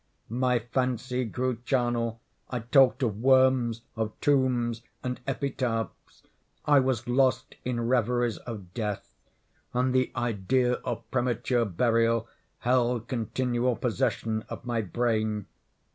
My fancy grew charnel, I talked "of worms, of tombs, and epitaphs." I was lost in reveries of death, and the idea of premature burial held continual possession of my brain.